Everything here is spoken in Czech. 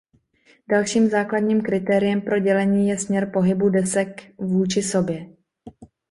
Dalším základním kritériem pro dělení je směr pohybu desek vůči sobě.